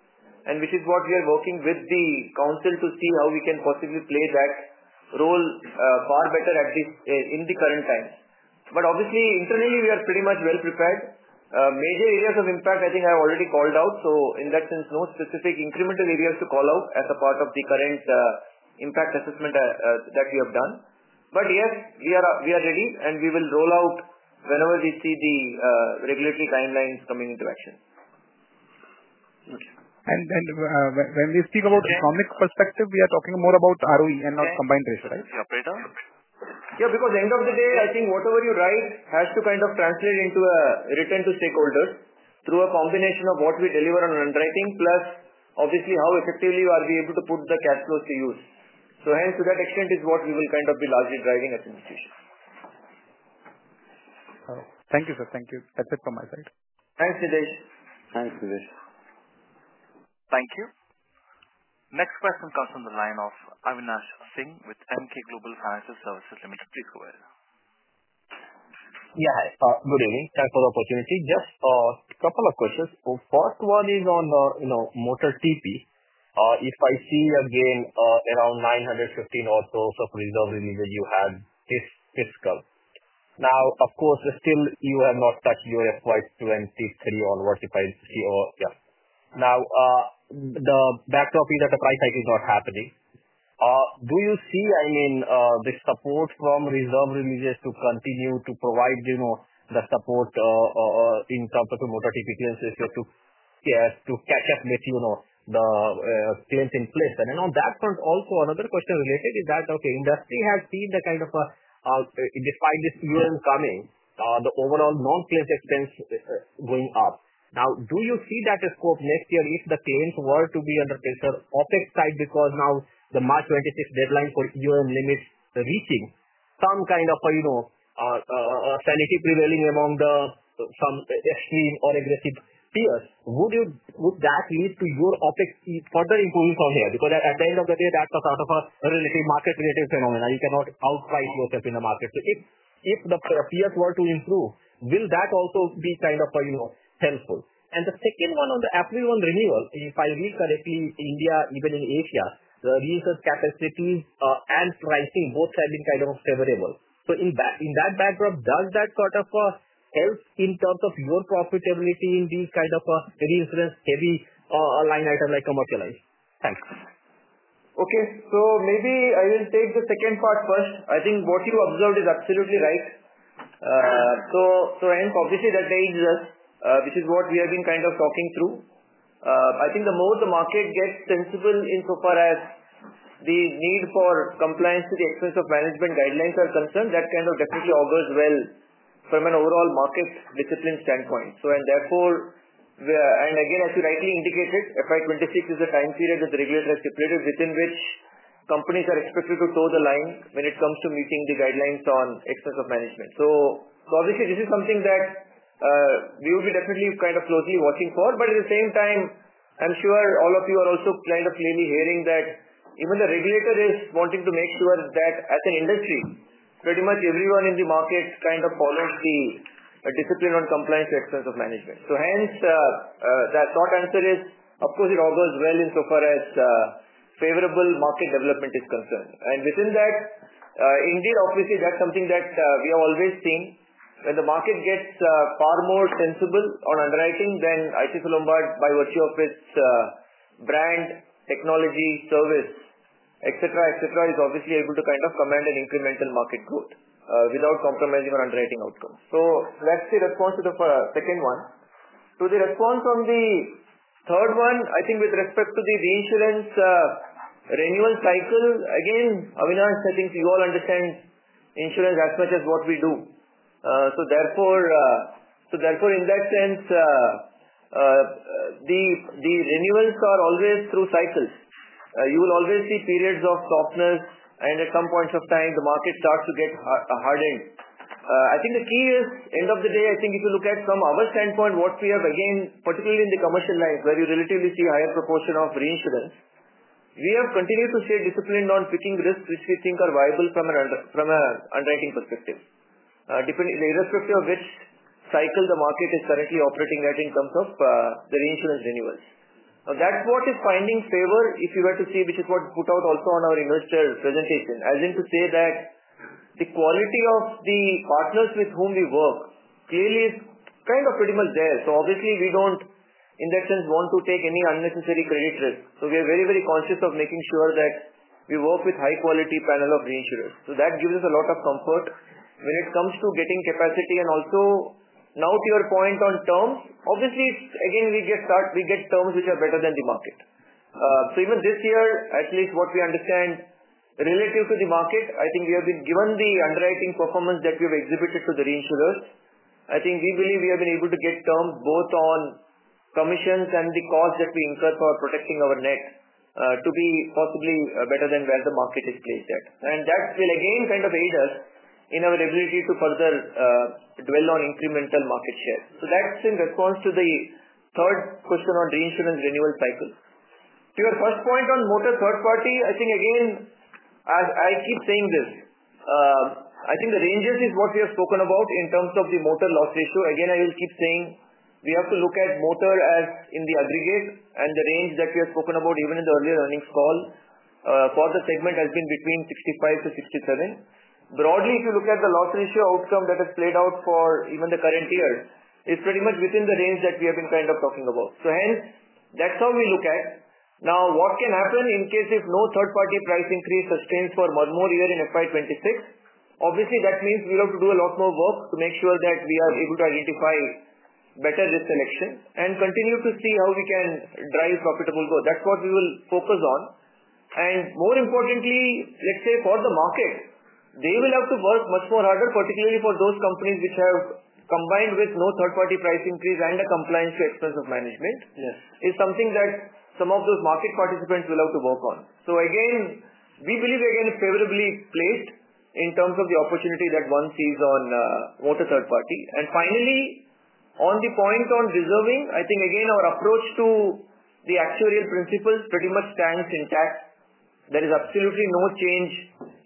and which is what we are working with the council to see how we can possibly play that role far better in the current times. Obviously, internally, we are pretty much well prepared. Major areas of impact, I think, I have already called out. In that sense, no specific incremental areas to call out as a part of the current impact assessment that we have done. Yes, we are ready, and we will roll out whenever we see the regulatory timelines coming into action. When we speak about economic perspective, we are talking more about ROE and not combined ratio, right? Yeah, because end of the day, I think whatever you write has to kind of translate into a return to stakeholders through a combination of what we deliver on underwriting plus obviously how effectively are we able to put the cash flows to use. Hence, to that extent is what we will kind of be largely driving as an institution. Thank you, sir. Thank you. That's it from my side. Thanks, Nitish. Thanks, Nitish. Thank you. Next question comes from the line of Avinash Singh with Emkay Global Financial Services Limited. Please go ahead. Yeah. Good evening. Thanks for the opportunity. Just a couple of questions. First one is on motor TP. If I see again around 915 million of reserve release that you had this fiscal. Now, of course, still you have not touched your FY2023 onwards if I see or yeah. Now, the backdrop is that the price hike is not happening. Do you see, I mean, the support from reserve releases to continue to provide the support in terms of the motor TP clearance to catch up with the clearance in place? Also, on that front, another question related is that, okay, industry has seen the kind of, despite this EOM coming, the overall non-clearance expense going up. Now, do you see that scope next year if the claims were to be under pressure, OpEx side, because now the March 26 deadline for EOM limits reaching some kind of sanity prevailing among some extreme or aggressive peers? Would that lead to your OpEx further improvements on here? Because at the end of the day, that's a sort of a relative market-related phenomenon. You cannot outright yourself in the market. If the peers were to improve, will that also be kind of helpful? The second one on the April 1 renewal, if I read correctly, India, even in Asia, the reinsurance capacities and pricing both have been kind of favorable. In that backdrop, does that sort of help in terms of your profitability in these kind of reinsurance-heavy line items like Commercial Lines? Thanks. Okay. Maybe I will take the second part first. I think what you observed is absolutely right. Hence, obviously, that aids us, which is what we have been kind of talking through. I think the more the market gets sensible in so far as the need for compliance to the Expense of Management guidelines are concerned, that kind of definitely augurs well from an overall market discipline standpoint. Again, as you rightly indicated, FY2026 is the time period that the regulator has stipulated within which companies are expected to toe the line when it comes to meeting the guidelines on Expense of Management. Obviously, this is something that we will be definitely kind of closely watching for. At the same time, I'm sure all of you are also kind of clearly hearing that even the regulator is wanting to make sure that as an industry, pretty much everyone in the market kind of follows the discipline on compliance to Expense of Management. Hence, the short answer is, of course, it augurs well in so far as favorable market development is concerned. Within that, indeed, obviously, that's something that we have always seen. When the market gets far more sensible on underwriting than ICICI Lombard by virtue of its brand, technology, service, etc., etc., is obviously able to kind of command an incremental market growth without compromising on underwriting outcomes. That's the response to the second one. To the response on the third one, I think with respect to the reinsurance renewal cycle, again, Avinash, I think you all understand insurance as much as what we do. Therefore, in that sense, the renewals are always through cycles. You will always see periods of softness, and at some points of time, the market starts to get hardened. I think the key is, end of the day, I think if you look at from our standpoint, what we have, again, particularly in the Commercial Lines, where you relatively see a higher proportion of reinsurance, we have continued to stay disciplined on picking risks which we think are viable from an underwriting perspective, irrespective of which cycle the market is currently operating at in terms of the reinsurance renewals. Now, that's what is finding favor if you were to see, which is what we put out also on our investor presentation, as in to say that the quality of the partners with whom we work clearly is kind of pretty much there. Obviously, we don't, in that sense, want to take any unnecessary credit risk. We are very, very conscious of making sure that we work with high-quality panel of reinsurers. That gives us a lot of comfort when it comes to getting capacity. Now to your point on terms, obviously, again, we get terms which are better than the market. Even this year, at least what we understand relative to the market, I think we have been given the underwriting performance that we have exhibited to the reinsurers. I think we believe we have been able to get terms both on commissions and the costs that we incur for protecting our net to be possibly better than where the market is placed at. That will again kind of aid us in our ability to further dwell on incremental market share. That is in response to the third question on reinsurance renewal cycle. To your first point on Motor Third Party, I think, again, I keep saying this. I think the ranges is what we have spoken about in terms of the motor loss ratio. Again, I will keep saying we have to look at motor as in the aggregate, and the range that we have spoken about even in the earlier earnings call for the segment has been between 65-67. Broadly, if you look at the loss ratio outcome that has played out for even the current year, it's pretty much within the range that we have been kind of talking about. Hence, that's how we look at it. Now, what can happen in case if no third-party price increase sustains for one more year in FY2026? Obviously, that means we will have to do a lot more work to make sure that we are able to identify better risk selection and continue to see how we can drive profitable growth. That's what we will focus on. More importantly, let's say for the market, they will have to work much more harder, particularly for those companies which have combined with no third-party price increase and a compliance to Expense of Management is something that some of those market participants will have to work on. Again, we believe, again, favorably placed in terms of the opportunity that one sees on Motor Third Party. Finally, on the point on reserving, I think, again, our approach to the actuarial principles pretty much stands intact. There is absolutely no change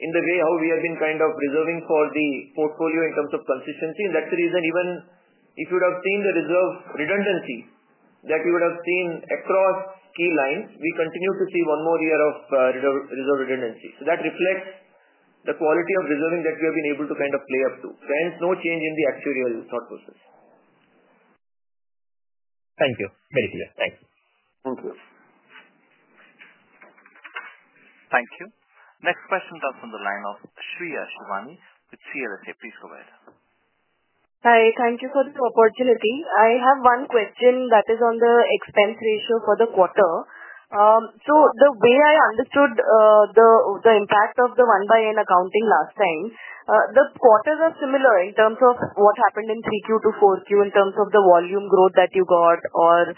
in the way how we have been kind of reserving for the portfolio in terms of consistency. That is the reason even if you would have seen the reserve redundancy that we would have seen across key lines, we continue to see one more year of reserve redundancy. That reflects the quality of reserving that we have been able to kind of play up to. Hence, no change in the actuarial thought process. Thank you. Very clear. Thanks. Thank you. Thank you. Next question comes from the line of Shreya Shivani, with CLSA. Please go ahead. Hi. Thank you for the opportunity. I have one question that is on the expense ratio for the quarter. The way I understood the impact of the 1/365 accounting last time, the quarters are similar in terms of what happened in 3Q to 4Q in terms of the volume growth that you got or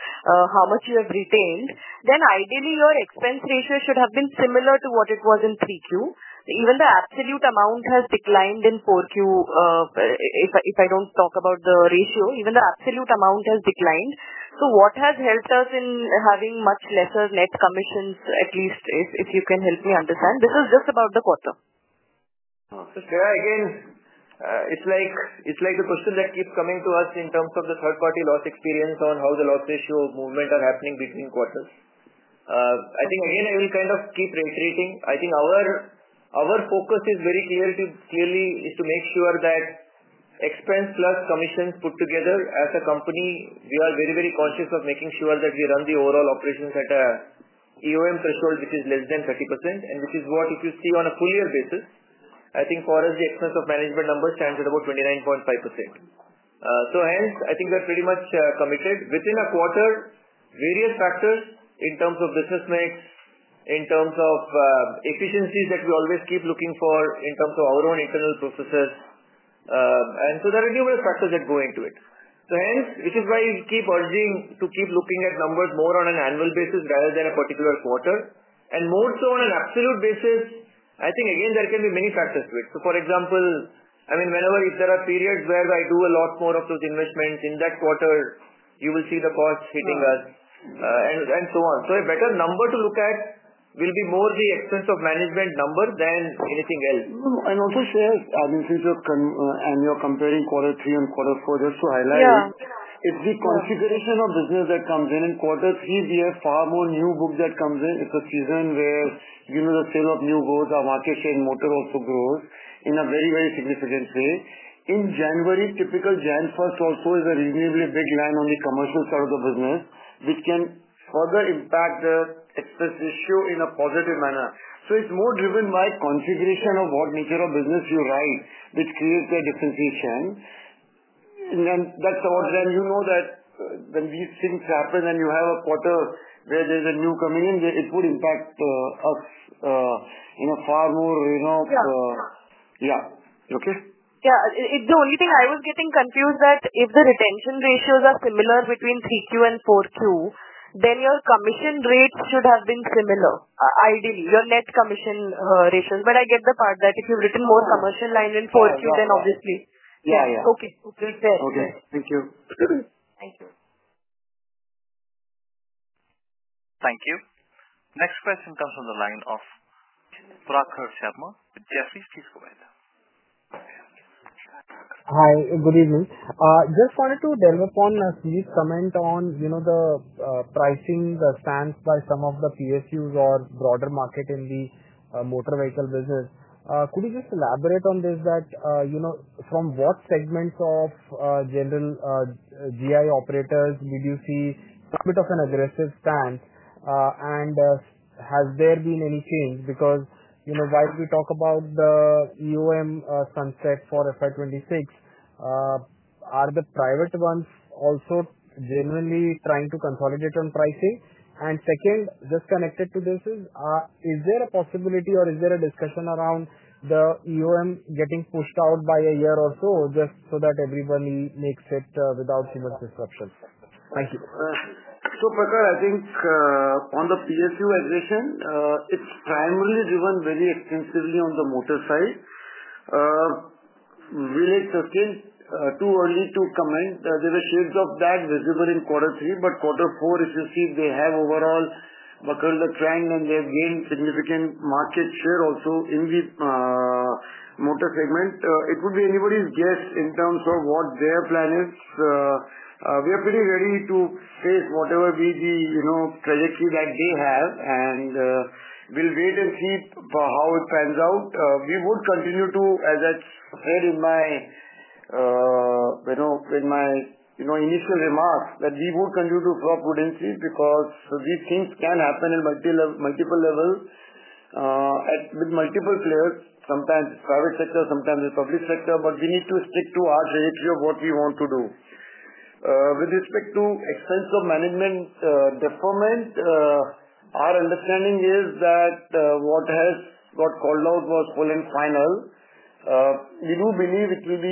how much you have retained. Ideally, your expense ratio should have been similar to what it was in 3Q. Even the absolute amount has declined in 4Q if I do not talk about the ratio. Even the absolute amount has declined. What has helped us in having much lesser net commissions, at least, if you can help me understand? This is just about the quarter. Again, it's like the question that keeps coming to us in terms of the third-party loss experience on how the loss ratio movement are happening between quarters. I think, again, I will kind of keep reiterating. I think our focus is very clear to make sure that expense plus commissions put together as a company, we are very, very conscious of making sure that we run the overall operations at an EOM threshold which is less than 30%, and which is what if you see on a full-year basis, I think for us, the Expense of Management numbers stands at about 29.5%. Hence, I think we are pretty much committed. Within a quarter, various factors in terms of business mix, in terms of efficiencies that we always keep looking for in terms of our own internal processes, and so there are numerous factors that go into it. Hence, which is why we keep urging to keep looking at numbers more on an annual basis rather than a particular quarter. More so on an absolute basis, I think, again, there can be many factors to it. For example, I mean, whenever if there are periods where I do a lot more of those investments in that quarter, you will see the cost hitting us and so on. A better number to look at will be more the Expense of Management number than anything else. Also, as in since you're comparing quarter three and quarter four, just to highlight, it's the configuration of business that comes in. In quarter three, we have far more new book that comes in. It's a season where the sale of new goods, our market share in motor also grows in a very, very significant way. In January, typical January 1st also is a reasonably big line on the commercial side of the business, which can further impact the expense ratio in a positive manner. It's more driven by configuration of what nature of business you write, which creates a differentiation. You know that when these things happen and you have a quarter where there's a new coming in, it would impact us in a far more. Yeah. Yeah. Okay. Yeah. The only thing I was getting confused that if the retention ratios are similar between 3Q and 4Q, then your commission rates should have been similar, ideally, your net commission ratios. I get the part that if you've written more Commercial Line in 4Q, then obviously. Yeah. Yeah. Okay. Okay. Fair. Okay. Thank you. Thank you. Thank you. Next question comes from the line of Prakhar Sharma. Jefferies, please go ahead. Hi. Good evening. Just wanted to delve upon Nidhesh's comment on the pricing stance by some of the PSUs or broader market in the motor vehicle business. Could you just elaborate on this, that from what segments of general GI operators did you see a bit of an aggressive stance? Has there been any change? Because while we talk about the EOM sunset for FY2026, are the private ones also genuinely trying to consolidate on pricing? Second, just connected to this, is there a possibility or is there a discussion around the EOM getting pushed out by a year or so just so that everybody makes it without too much disruption? Thank you. Prakhar, I think on the PSU aggression, it's primarily driven very extensively on the motor side. Will it sustain? Too early to comment. There were shades of that visible in quarter three, but quarter four, if you see, they have overall bucked the trend and they have gained significant market share also in the motor segment. It would be anybody's guess in terms of what their plan is. We are pretty ready to face whatever be the trajectory that they have and will wait and see how it pans out. We would continue to, as I said in my initial remarks, that we would continue to operate within reason because these things can happen at multiple levels with multiple players. Sometimes it's private sector, sometimes it's public sector, but we need to stick to our trajectory of what we want to do. With respect to Expense of Management deferment, our understanding is that what got called out was all and final. We do believe it will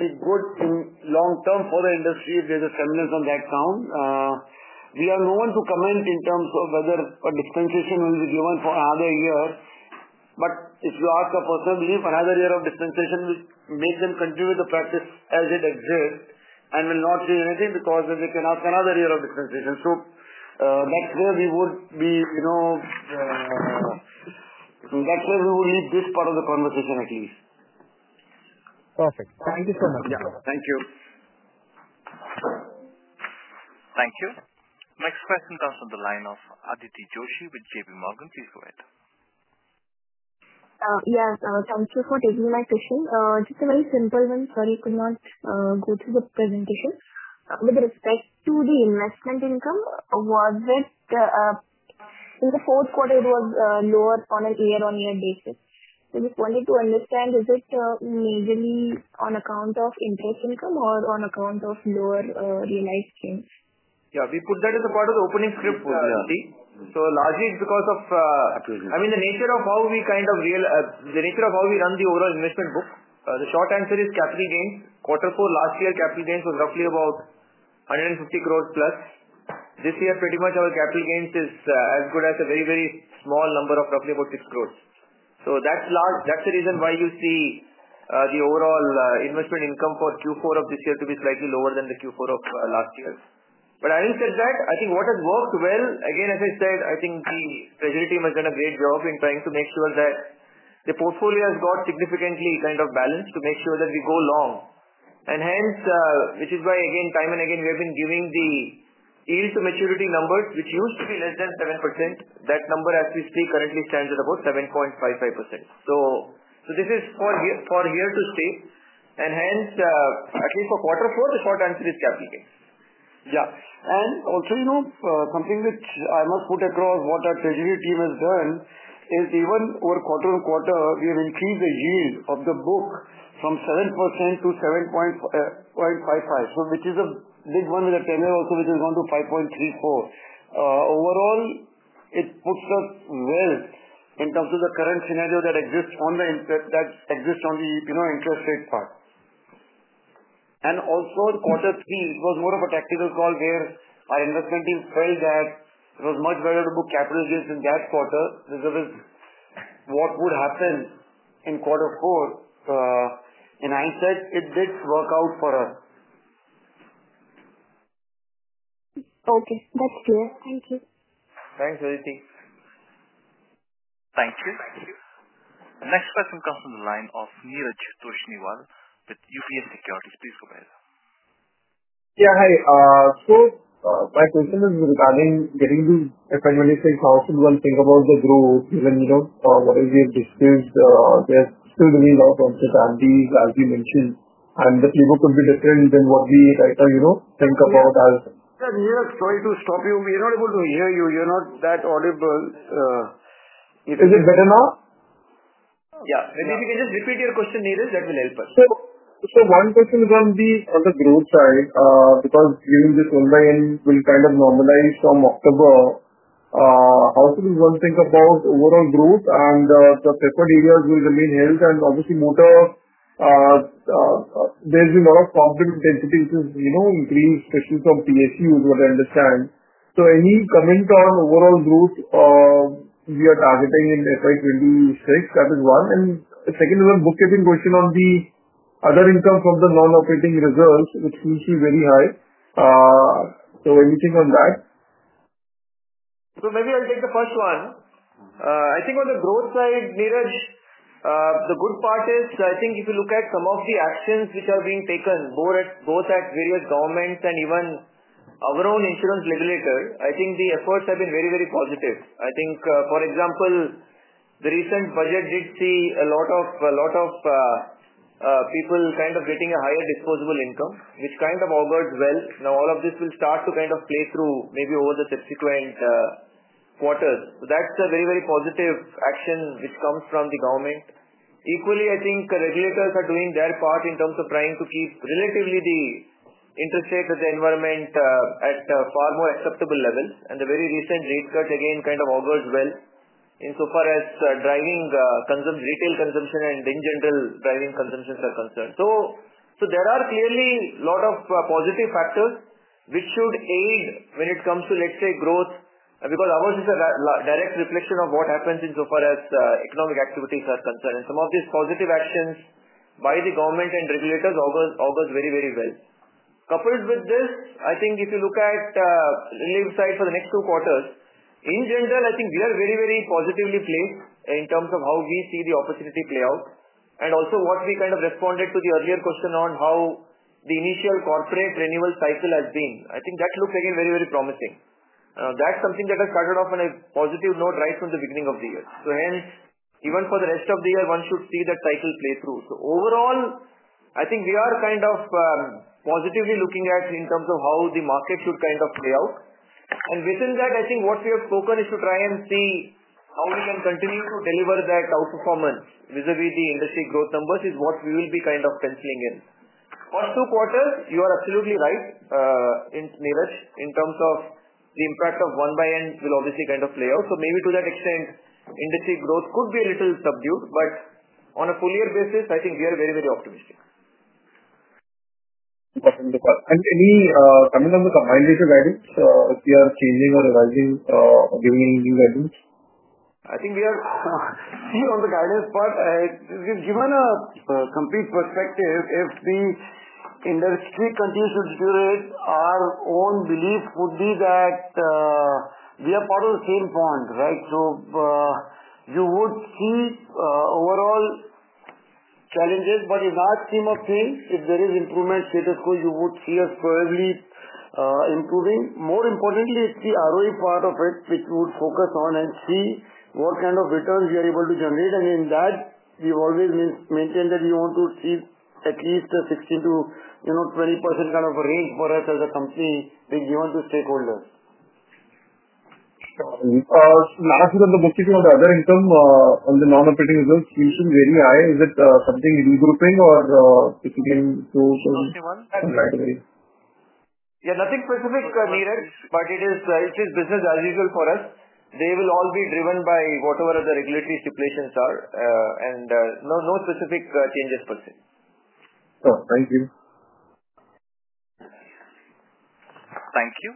be good in long term for the industry if there's a stimulus on that count. We are known to comment in terms of whether a dispensation will be given for another year. If you ask a personal belief, another year of dispensation will make them continue the practice as it exists and will not change anything because they can ask another year of dispensation. That is where we would be, that is where we will leave this part of the conversation at least. Perfect. Thank you so much. Yeah. Thank you. Thank you. Next question comes from the line of Aditi Joshi with JPMorgan. Please go ahead. Yes. Thank you for taking my question. Just a very simple one. Sorry, I could not go through the presentation. With respect to the investment income, was it in the fourth quarter, it was lower on a year-on-year basis? We wanted to understand, is it majorly on account of interest income or on account of lower realized gains? Yeah. We put that as a part of the opening script for G-Sec. Largely it's because of, I mean, the nature of how we kind of, the nature of how we run the overall investment book. The short answer is capital gains. Quarter four last year, capital gains was roughly about 150 crore plus. This year, pretty much our capital gains is as good as a very, very small number of roughly about 6 crore. That is the reason why you see the overall investment income for Q4 of this year to be slightly lower than the Q4 of last year. Having said that, I think what has worked well, again, as I said, I think the treasury team has done a great job in trying to make sure that the portfolio has got significantly kind of balanced to make sure that we go long. Which is why, again, time and again, we have been giving the yield-to-maturity numbers, which used to be less than 7%. That number, as we see, currently stands at about 7.55%. This is for year-to-date. At least for quarter four, the short answer is capital gains. Yeah. Also, something which I must put across, what our treasury team has done is even over quarter on quarter, we have increased the yield of the book from 7% to 7.55%, which is a big one, with a tenure also which has gone to 5.34. Overall, it puts us well in terms of the current scenario that exists on the interest rate part. Also, quarter three, it was more of a tactical call where our investment team felt that it was much better to book capital gains in that quarter because of what would happen in quarter four. I said it did work out for us. Okay. That's clear. Thank you. Thanks, Aditi. Thank you. Next question comes from the line of Neeraj Toshniwal with UBS Securities. Please go ahead. Yeah. Hi. My question is regarding getting these FY26, how should one think about the growth? Even whatever we have discussed, there's still the way of uncertainties, as you mentioned. The playbook could be different than what we right now think about as. Neeraj, sorry to stop you. We are not able to hear you. You're not that audible. Is it better now? Yeah. Maybe if you can just repeat your question, Neeraj, that will help us. One question is on the growth side because given this 1/365 will kind of normalize from October, how should one think about overall growth and the separate areas with the main health and obviously motor, there's been a lot of positive intensity which has increased, especially from PSUs, what I understand. Any comment on overall growth we are targeting in FY2026? That is one. Second is a bookkeeping question on the other income from the non-operating reserves, which seems to be very high. Anything on that? Maybe I'll take the first one. I think on the growth side, Neeraj, the good part is I think if you look at some of the actions which are being taken both at various governments and even our own insurance regulator, I think the efforts have been very, very positive. I think, for example, the recent budget did see a lot of people kind of getting a higher disposable income, which kind of augurs well. Now, all of this will start to kind of play through maybe over the subsequent quarters. That is a very, very positive action which comes from the government. Equally, I think regulators are doing their part in terms of trying to keep relatively the interest rate environment at a far more acceptable level. The very recent rate cut, again, kind of augurs well insofar as driving retail consumption and in general driving consumption circumstances. There are clearly a lot of positive factors which should aid when it comes to, let's say, growth because ours is a direct reflection of what happens insofar as economic activities are concerned. Some of these positive actions by the government and regulators augur very, very well. Coupled with this, I think if you look at the relative side for the next two quarters, in general, I think we are very, very positively placed in terms of how we see the opportunity play out. Also, what we kind of responded to the earlier question on how the initial corporate renewal cycle has been, I think that looks, again, very, very promising. That is something that has started off on a positive note right from the beginning of the year. Hence, even for the rest of the year, one should see that cycle play through. Overall, I think we are kind of positively looking at in terms of how the market should kind of play out. Within that, I think what we have spoken is to try and see how we can continue to deliver that outperformance vis-à-vis the industry growth numbers is what we will be kind of penciling in. First two quarters, you are absolutely right, Neeraj, in terms of the impact of 1/365 will obviously kind of play out. Maybe to that extent, industry growth could be a little subdued, but on a full-year basis, I think we are very, very optimistic. Coming on the combined ratio guidance, are we changing or revising or giving any new guidance? I think we are still on the guidance part. Given a complete perspective, if the industry continues to deteriorate, our own belief would be that we are part of the same pond, right? You would see overall challenges, but in that scheme of things, if there is improvement status quo, you would see us probably improving. More importantly, it's the ROE part of it, which we would focus on and see what kind of returns we are able to generate. In that, we've always maintained that we want to achieve at least a 16-20% kind of range for us as a company being given to stakeholders. Lastly, on the bookkeeping of the other income on the non-operating reserves, it seems to be very high. Is it something regrouping or picking those? Yeah. Nothing specific, Neeraj, but it is business as usual for us. They will all be driven by whatever the regulatory stipulations are. No specific changes per se. Thank you. Thank you.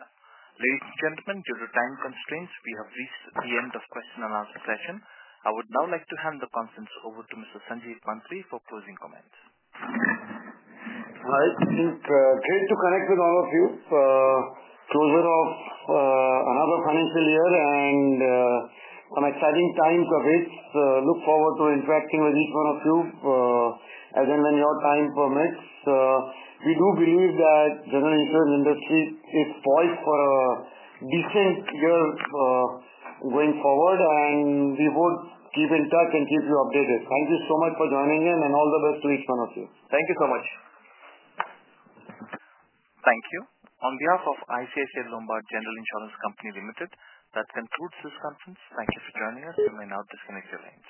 Ladies and gentlemen, due to time constraints, we have reached the end of question and answer session. I would now like to hand the conference over to Mr. Sanjeev Mantri for closing comments. I think great to connect with all of you. Closure of another financial year and some exciting times await. Look forward to interacting with each one of you as and when your time permits. We do believe that the general insurance industry is poised for a decent year going forward, and we would keep in touch and keep you updated. Thank you so much for joining in, and all the best to each one of you. Thank you so much. Thank you. On behalf of ICICI Lombard General Insurance Company Limited, that concludes this conference. Thank you for joining us. You may now disconnect your line.